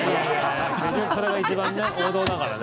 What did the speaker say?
結局それが一番ね王道だからね。